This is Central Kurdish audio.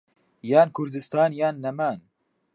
یان كوردستان یان نەمان